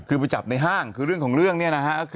คือไปจับในห้างคือเรื่องของเรื่องเนี่ยนะฮะ